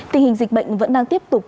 tình hình dịch bệnh vẫn đang tiếp tục